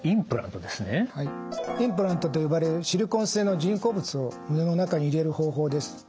インプラントと呼ばれるシリコン製の人工物を胸の中に入れる方法です。